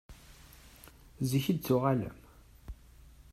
Zik i d-tuɣalem?